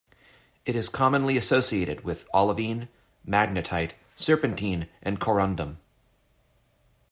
It is commonly associated with olivine, magnetite, serpentine, and corundum.